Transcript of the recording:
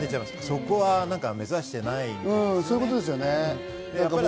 そこは目指してないですね。